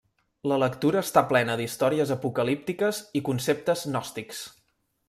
La lectura està plena d'històries apocalíptiques i conceptes gnòstics.